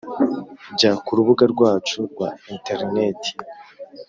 Jya ku rubuga rwacu rwa interineti